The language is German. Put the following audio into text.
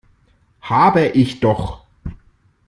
Habe ich doch!